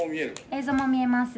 映像も見えます。